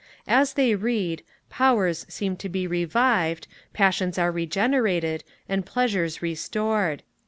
As they read, powers seem to be revived, passions are regenerated, and pleasures restored.